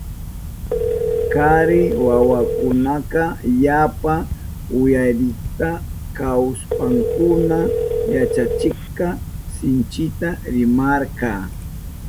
Kari wawakunaka yapa uyarikta kahushpankuna yachachikka sinchita rimarka.